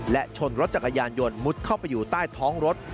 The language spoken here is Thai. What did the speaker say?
และชนรถจักรยานยนต์มุดเข้าไปอยู่ใต้ท้องรถ